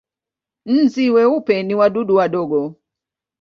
Nzi weupe ni wadudu wadogo.